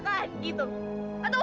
ibu mau biar ibu kejahatan